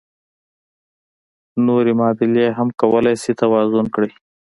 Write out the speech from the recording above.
نورې معادلې هم کولای شئ توازن کړئ.